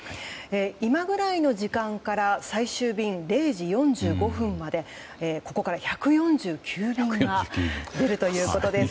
今ぐらいの時間から最終便０時４５分までここから１４９便が出るということです。